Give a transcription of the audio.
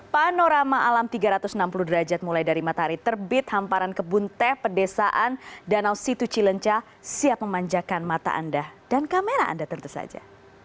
panorama alam tiga ratus enam puluh derajat mulai dari matahari terbit hamparan kebun teh pedesaan danau situ cilenca siap memanjakan mata anda dan kamera anda tentu saja